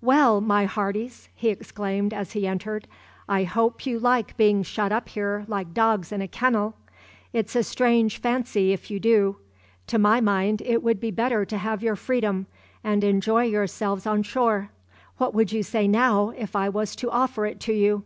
"Well, my hearties," he exclaimed as he entered, "I hope you like being shut up here like dogs in a kennel! It's a strange fancy if you do; to my mind, it would be better to have your freedom and enjoy yourselves on shore. What would you say, now, if I was to offer it you?"